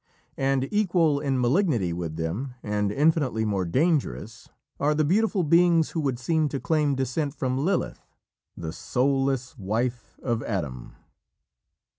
And equal in malignity with them, and infinitely more dangerous, are the beautiful beings who would seem to claim descent from Lilith, the soulless wife of Adam.